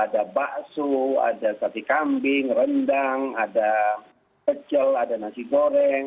ada bakso ada sate kambing rendang ada pecel ada nasi goreng